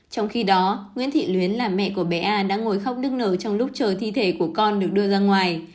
trong khi đó nguyễn thị luyến là mẹ của bé a đã ngồi khóc nương nở trong lúc chờ thi thể của con được đưa ra ngoài